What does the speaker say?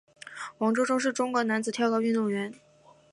王舟舟是中国男子跳高运动员。